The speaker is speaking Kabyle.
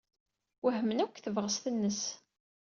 Wehmen akk deg tebɣest-nnes.